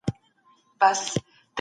د بدن تودوخه په نارمل حالت کي وساتئ.